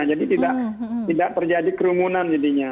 jadi tidak tidak terjadi kerumunan jadinya